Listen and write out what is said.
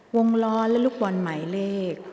วงล้อและลูกบอลหมายเลข